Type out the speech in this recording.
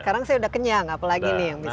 sekarang saya udah kenyang apalagi nih yang bisa